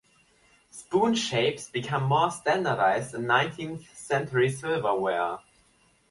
Spoon shapes became more standardized in nineteenth-century silverware.